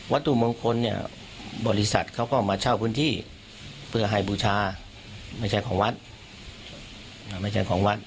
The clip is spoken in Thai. วัดตุมงคลบริษัทเขาก็มาเช่าพื้นที่เพื่อให้บูชาไม่ใช่ของวัด